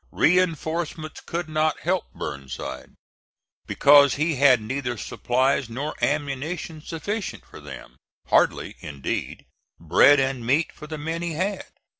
Reinforcements could not help Burnside, because he had neither supplies nor ammunition sufficient for them; hardly, indeed, bread and meat for the men he had.